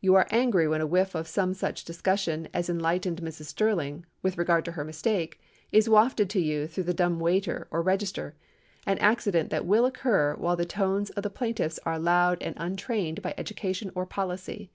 You are angry when a whiff of some such discussion as enlightened Mrs. Sterling, with regard to her mistake, is wafted to you through the dumb waiter or register, an accident that will occur while the tones of the plaintiffs are loud and untrained by education or policy.